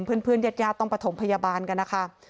เพื่อนเย็ดยาต้องปฐมพยาบาลกันนะคะ